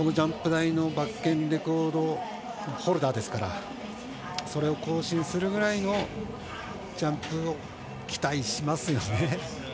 このジャンプ台のバッケンレコードホルダーですからそれを更新するくらいのジャンプを期待しますよね。